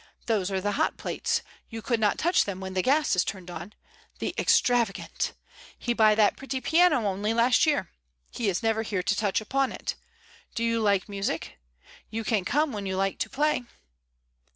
''Those are the hot plates; you could not touch them when the gas is turned on. The extravagant! He buy that pretty piano only last year. He is never here to touch upon it. Do you like music? You can come when you like to play."